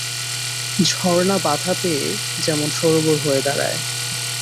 ঝরনা বাধা পেয়ে যেমন সরোবর হয়ে দাঁড়ায়।